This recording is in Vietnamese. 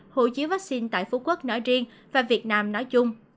hộ chiếu vaccine tại phú quốc nói riêng và việt nam nói chung